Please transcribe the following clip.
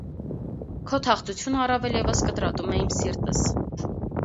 քո թախծությունը առավել ևս կտրատում է իմ սիրտս…